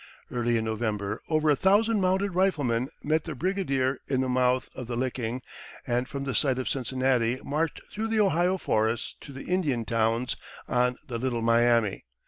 Early in November over a thousand mounted riflemen met their brigadier at the mouth of the Licking, and from the site of Cincinnati marched through the Ohio forests to the Indian towns on the Little Miami.